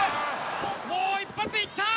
もう１発いった！